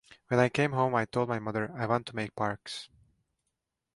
When I came home I told my mother 'I want to make parks.